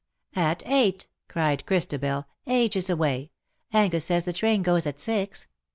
^^ At eight/' cried Christabel,, ^^ ages away. Angus says the train goes at six.